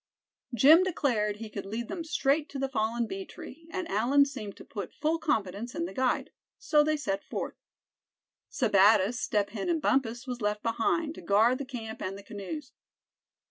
Jim declared he could lead them straight to the fallen bee tree, and Allan seemed to put full confidence in the guide. So they set forth. Sebattis, Step Hen and Bumpus was left behind, to guard the camp and the canoes.